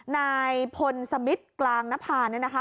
นายพลสมิทกลางนภาเนี่ยนะคะ